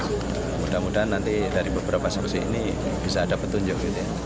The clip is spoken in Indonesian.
semoga dari beberapa saksi ini bisa ada petunjuk